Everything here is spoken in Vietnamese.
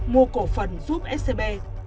mua cổ phần giúp scb